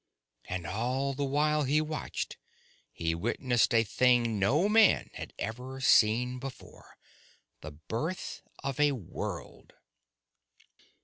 And all the while he watched, he witnessed a thing no man had ever before seen the birth of a world!